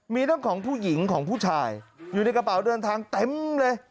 มีทั้งของผู้หญิงของผู้ชายอยู่ในกระเป๋าเดินทางเต็มเลย